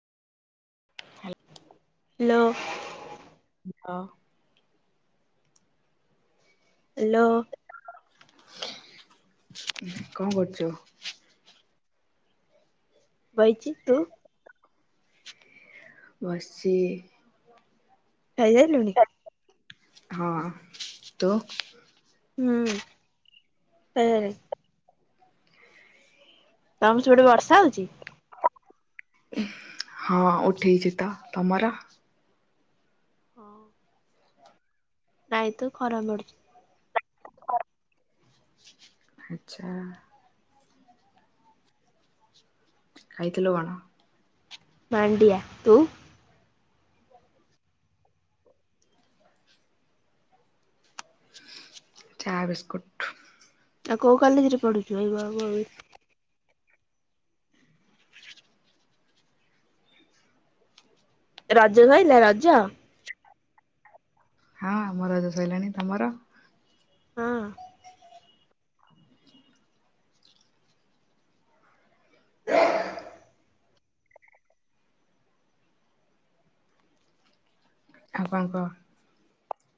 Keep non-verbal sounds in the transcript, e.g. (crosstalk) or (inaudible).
Hello. ହଁ। Hello. କଣ କରୁଛ? ବଇଚି ତୁ? ବସିଛି। ଖାଇ ସାରିଲୁଣି? ହଁ। ତୁ? ହୁଁ। (unintelligible) ତମର ସେପଟେ ବର୍ଷା ହଉଛି? ହଁ ଉଠେଇଛି ତ। ତମର? ହଁ। ନାଇଁ ତ ଖରା ମାଡ଼ୁଛି। ଆଚ୍ଛା। ଖାଇଥିଲୁ କଣ? ମାଣ୍ଡିଆ ‌। ତୁ? ଚାହା, ବିସ୍କୁଟ୍। ଆଉ କୋଉ କଲେଜ ରେ ପଢୁଛୁ ଏଇ ରଜ କହିଲା ରଜ? ହଁ ଆମ ରଜ ସରିଲଣି ତମର? ହଁ। (inaudible) ଆଉ କଣ କହ?